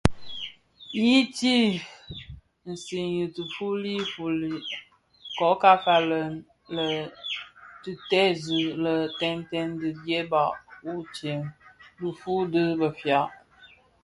I ti siňii tifufuli, kō ka falèn lè tè tèèzi lè tèntèň dhi ndieba utsem dhifuu di Bafia.